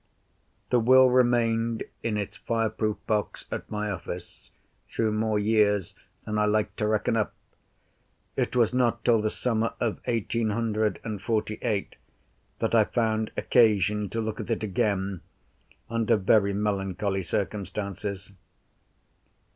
The Will remained in its fireproof box at my office, through more years than I like to reckon up. It was not till the summer of eighteen hundred and forty eight that I found occasion to look at it again under very melancholy circumstances.